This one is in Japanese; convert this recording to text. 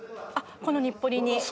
この日暮里に。